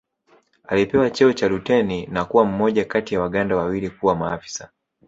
Alipewa cheo cha luteni na kuwa mmoja kati wa Waganda wawili kuwa maafisa